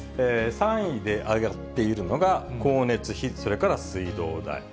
３位で上がっているのが光熱費、それから水道代。